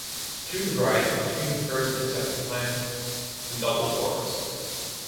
To the right, between the first and second plan, the double doors.